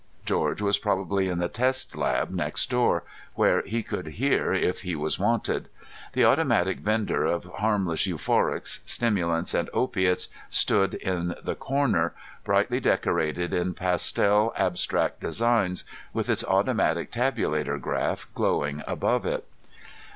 George was probably in the test lab next door, where he could hear if he was wanted. The automatic vendor of harmless euphorics, stimulants and opiates stood in the corner, brightly decorated in pastel abstract designs, with its automatic tabulator graph glowing above it.